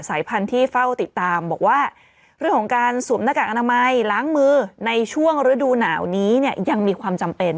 สายพันธุ์ที่เฝ้าติดตามบอกว่าเรื่องของการสวมหน้ากากอนามัยล้างมือในช่วงฤดูหนาวนี้เนี่ยยังมีความจำเป็น